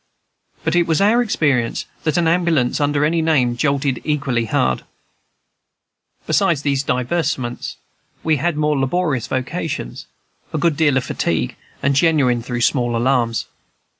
But it was our experience that an ambulance under any name jolted equally hard. Besides these divertisements, we had more laborious vocations, a good deal of fatigue, and genuine though small alarms.